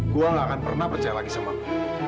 gue nggak akan pernah percaya lagi sama lo